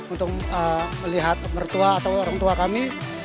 untuk melihat mertua atau orang tua kami